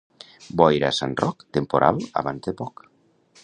Boira a Sant Roc, temporal abans de poc.